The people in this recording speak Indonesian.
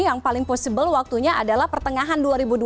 jadi yang paling mungkin waktunya adalah pertengahan dua ribu dua puluh satu